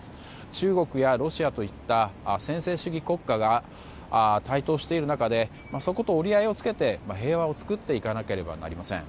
中国やロシアといった専制主義国家が台頭している中でそこと折り合いをつけて平和を作っていかなければなりません。